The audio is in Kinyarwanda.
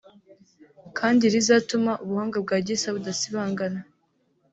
kandi rizatuma ubuhanga bwa Gisa budasibangana